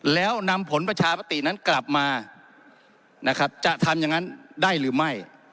แล้วนำผลประชาปตินั้นกลับมานะครับจะทำอย่างนั้นได้หรือไม่